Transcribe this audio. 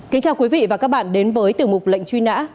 kính chào quý vị và các bạn đến với tiểu mục lệnh truy nã